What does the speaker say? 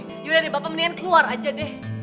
sudah deh bapak mendingan keluar aja deh